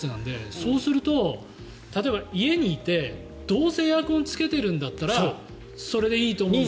そうすると例えば、家にいてどうせエアコンつけてるんだったらそれでいいと思って。